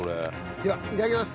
ではいただきます。